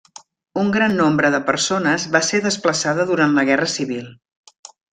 Un gran nombre de persones va ser desplaçada durant la guerra civil.